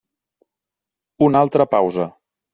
Una altra pausa.